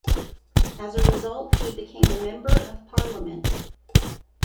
As a result, he became a Member of Parliament.